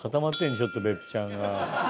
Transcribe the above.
ちょっと別府ちゃんが。